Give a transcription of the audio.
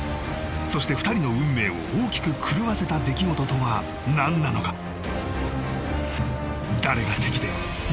そして２人の運命を大きく狂わせた出来事とは何なのか？